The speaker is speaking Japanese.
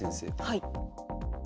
はい。